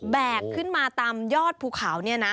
แบกขึ้นมาตามยอดภูเขานี่นะ